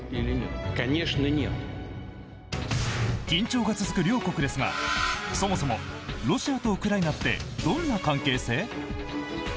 緊張が続く両国ですがそもそもロシアとウクライナってどんな関係性？